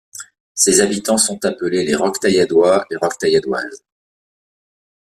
Ses habitants sont appelés les Roquetailladois et les Roquetailladoises.